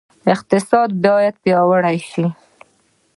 اقتصاد باید پیاوړی شي